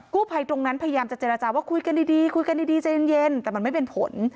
ภัยตรงนั้นพยายามจะเจรจาว่าคุยกันดีคุยกันดีใจเย็นแต่มันไม่เป็นผล